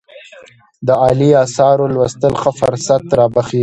د عالي آثارو لوستل ښه فرصت رابخښي.